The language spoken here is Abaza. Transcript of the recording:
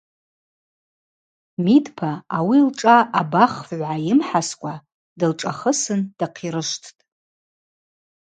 Мидпа ауи лшӏа абахфыгӏв гӏайымхӏаскӏва дылшӏахысын дахъирышвттӏ.